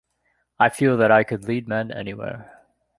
I feel that I could lead men anywhere.